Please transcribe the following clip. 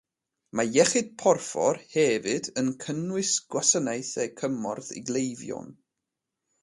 Mae Iechyd Porffor hefyd yn cynnwys gwasanaethau cymorth i gleifion.